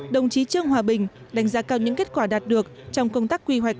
đồng chí trương hòa bình đánh giá cao những kết quả đạt được trong công tác quy hoạch